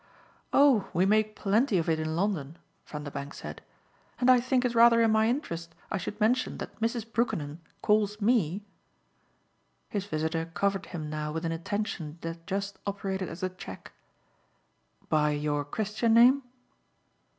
"Oh we make plenty of it in London!" Vanderbank said. "And I think it's rather in my interest I should mention that Mrs. Brookenham calls ME " His visitor covered him now with an attention that just operated as a check. "By your Christian name?"